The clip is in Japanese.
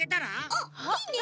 あっいいね。